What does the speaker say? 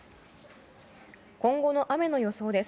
今後の雨の予想です。